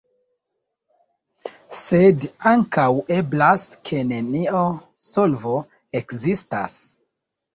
Sed ankaŭ eblas, ke nenio solvo ekzistas.